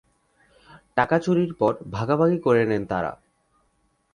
টাকা চুরির পর ভাগাভাগি করে নেন তাঁরা।